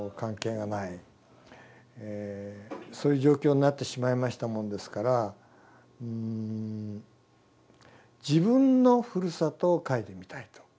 そういう状況になってしまいましたもんですから自分のふるさとを書いてみたいと。